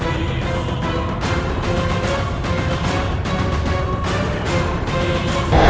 jangan lupa h losers